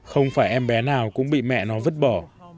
không phải em bé nào cũng bị mẹ nó vứt bỏ